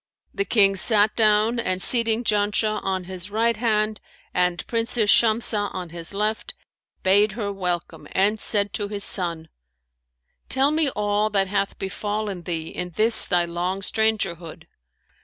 The King sat down and seating Janshah on his right hand and Princess Shamsah on his left, bade her welcome and said to his son, 'Tell me all that hath befallen thee in this thy long strangerhood.'